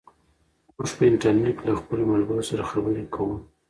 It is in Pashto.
موږ په انټرنیټ کې له خپلو ملګرو سره خبرې کوو.